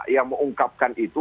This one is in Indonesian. yang mengungkapkan itu